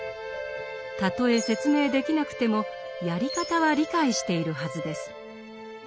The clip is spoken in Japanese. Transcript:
たとえ説明できなくてもやり方は理解しているはずです。